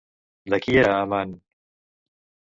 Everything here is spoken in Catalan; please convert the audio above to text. De qui era amant?